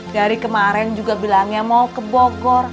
dari kemarin juga bilangnya mau ke bogor